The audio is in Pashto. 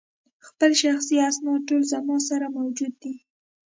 خپل شخصي اسناد ټول زما سره موجود دي.